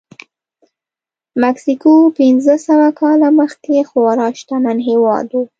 مکسیکو پنځه سوه کاله مخکې خورا شتمن هېواد و.